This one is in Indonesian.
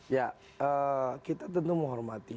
ya kita tentu menghormati